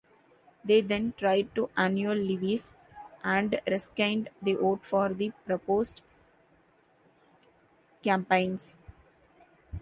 They then tried to annul levies and rescind the vote for the proposed campaigns.